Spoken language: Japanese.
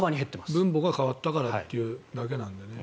分母が変わったからというだけなんでね。